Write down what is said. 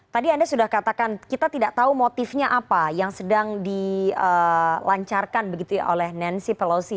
tadi anda sudah katakan kita tidak tahu motifnya apa yang sedang dilancarkan begitu ya oleh nancy pelosi